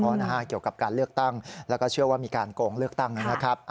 เพราะนะฮะเกี่ยวกับการเลือกตั้งแล้วก็เชื่อว่ามีการโกงเลือกตั้งนะครับ